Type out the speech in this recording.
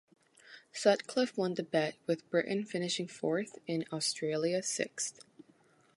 Sutcliffe won the bet, with Britain finishing fourth and Australia sixth.